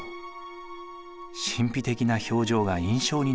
神秘的な表情が印象に残ります。